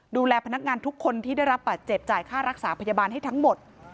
ดูแลพนักงานทุกคนที่ได้รับบาดเจ็บจ่ายค่ารักษาพยาบาลให้ทั้งหมด